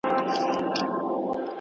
تاسې بايد هره ورځ هڅه وکړئ.